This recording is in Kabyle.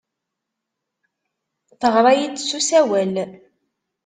Teɣra-iyi-d s usawal.